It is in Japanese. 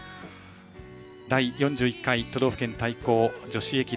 第４１回都道府県対抗女子駅伝。